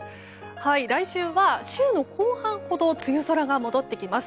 来週は週の後半ほど梅雨空が戻ってきます。